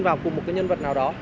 vào cùng một cái nhân vật nào đó